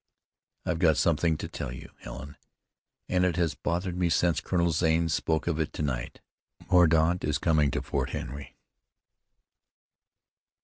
"I've got something to tell you, Helen, and it has bothered me since Colonel Zane spoke of it to night. Mordaunt is coming to Fort Henry."